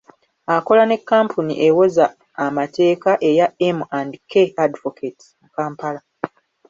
Akola ne kkampuni ewoza amateeka eya M and K Advocates, mu Kampala